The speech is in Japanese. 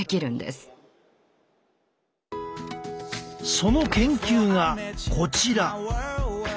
その研究がこちら。